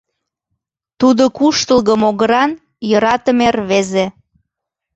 Тудо куштылго могыран, йӧратыме рвезе.